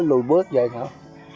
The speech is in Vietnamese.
lùi bước vậy thôi